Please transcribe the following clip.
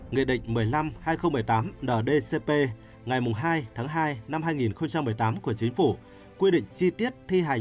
nghị định một mươi năm hai nghìn một mươi tám ndcp ngày hai tháng hai năm hai nghìn một mươi tám của chính phủ quy định chi tiết thi hành